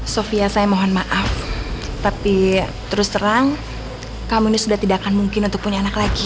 sofia saya mohon maaf tapi terus terang kamu ini sudah tidak akan mungkin untuk punya anak lagi